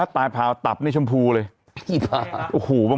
ตายผลากตับสีแชมพูได้ชมพูเลย